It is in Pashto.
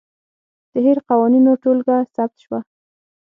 د هیر د قوانینو ټولګه ثبت شوه.